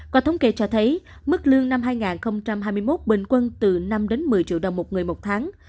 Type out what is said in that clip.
qua thống kê cho thấy mức lương năm hai nghìn hai mươi một bình quân từ năm đến một mươi triệu đồng một người một tháng